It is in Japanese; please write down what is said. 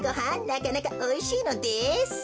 なかなかおいしいのです。